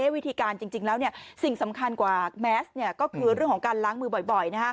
วิธีการจริงแล้วสิ่งสำคัญกว่าแมสก็คือเรื่องของการล้างมือบ่อย